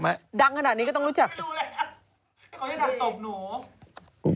เขายังดังตบหนู